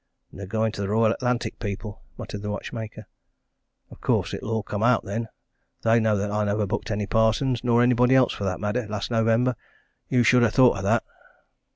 "They're going to the Royal Atlantic people," muttered the watchmaker. "Of course, it'll all come out, then. They know that I never booked any Parsons nor anybody else for that matter last November. You should ha' thought o' that!"